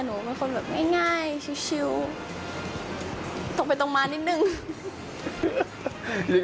หนูเป็นคนแบบง่ายชิวตรงไปตรงมานิดนึง